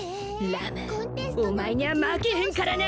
ラムお前には負けへんからな